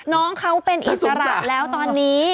น้องเขาเป็นอิสระแล้วตอนนี้